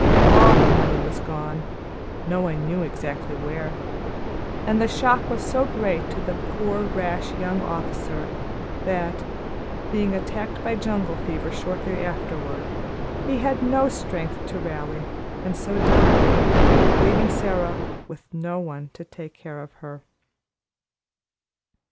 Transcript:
All the money was gone, no one knew exactly where, and the shock was so great to the poor, rash young officer, that, being attacked by jungle fever shortly afterward, he had no strength to rally, and so died, leaving Sara, with no one to take care of her.